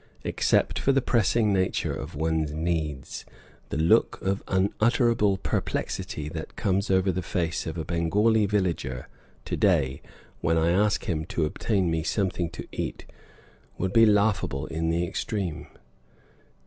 Except for the pressing nature of one's needs, the look of unutterable perplexity that comes over the face of a Bengali villager, to day, when I ask him to obtain me something to eat, would be laughable in the extreme.